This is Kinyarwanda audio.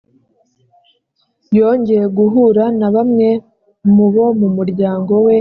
yongeye guhura na bamwe mu bo mu muryango we bari barokotse.